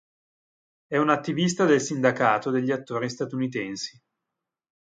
È una attivista del sindacato degli attori statunitensi.